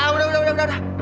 udah udah udah